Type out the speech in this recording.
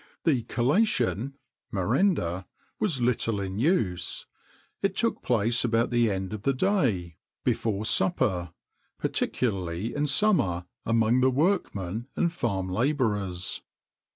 [XXIX 49] The collation merenda was little in use. It took place about the end of the day, before supper, particularly in summer, among the workmen and farm labourers.